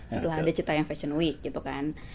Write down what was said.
setelah ada cita yang fashion week gitu kan